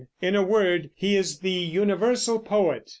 In a word, he is the universal poet.